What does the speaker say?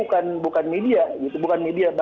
bahkan jurnalis sendiri pun freelance bukan media juga